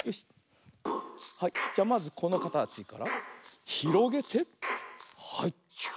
はいじゃまずこのかたちからひろげてはい。